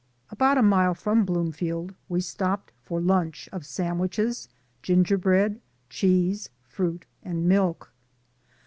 About a mile from Bloomfield we stopped for lunch of sandwiches, ginger bread, cheese, fruit and milk.